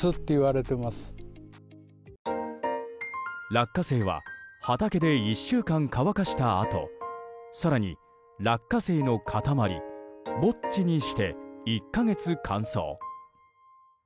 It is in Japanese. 落花生は畑で１週間乾かしたあと更に落花生の塊ボッチにして１か月乾燥。